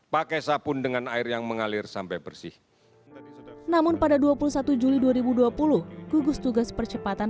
pakai sabun dengan air yang mengalir sampai bersih namun pada dua puluh satu juli dua ribu dua puluh gugus tugas percepatan